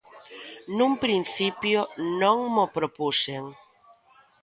Nun principio non mo propuxen.